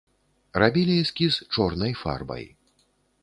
Рабілі эскіз чорнай фарбай.